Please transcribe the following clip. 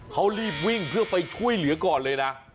เขารีบวิ่งเพื่อไปช่วยเหลือก่อนเลยนะ